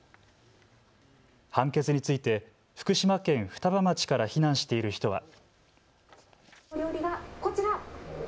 判決について福島県双葉町から避難している人は。